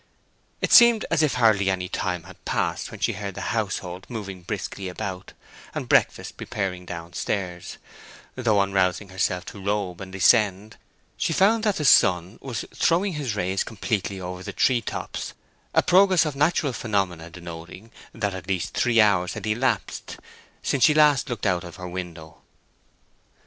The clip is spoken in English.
It seemed as if hardly any time had passed when she heard the household moving briskly about, and breakfast preparing down stairs; though, on rousing herself to robe and descend, she found that the sun was throwing his rays completely over the tree tops, a progress of natural phenomena denoting that at least three hours had elapsed since she last looked out of the window.